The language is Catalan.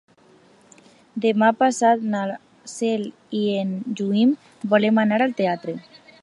Demà passat na Cel i en Guim volen anar al teatre.